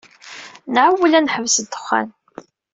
Nɛewwel ad neḥbes ddexxan.